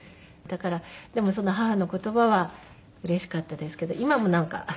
だからでもその母の言葉はうれしかったですけど今もなんか。